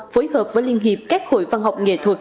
phối hợp với liên hiệp các hội văn học nghệ thuật